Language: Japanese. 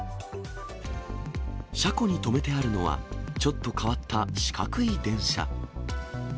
車庫に止めてあるのは、ちょっと変わった四角い電車。